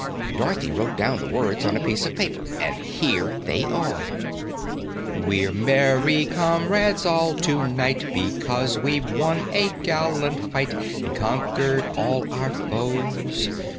Dorothy wrote down the words on a piece of paper, and here they are: "We're merry comrades all, to night, Because we've won a gallant fight And conquered all our foes.